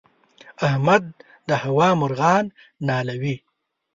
احمد د هوا مرغان نالوي.